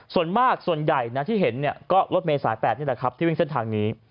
ส่วนมากส่วนใหญ่นะที่เห็นก็รถเมษาย๘นี่แหละครับที่วิ่งเส้นทางนี้